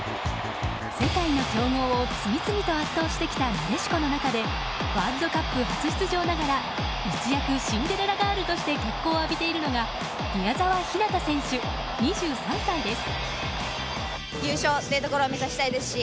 世界の強豪を次々と圧倒してきたなでしこの中でワールドカップ初出場ながら一躍シンデレラガールとして脚光を浴びているのが宮澤ひなた選手、２３歳です。